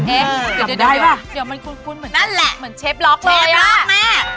เอ้ห์ยเดี๋ยวมันกุ้นเหมือน้ั้นแหละเหมือนเชฟล็อคเลยนะ